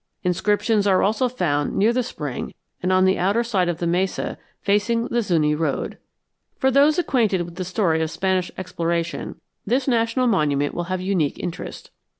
Inscriptions are also found near the spring and on the outer side of the mesa facing the Zuñi Road. For those acquainted with the story of Spanish exploration this national monument will have unique interest.